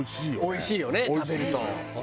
おいしいよね食べると。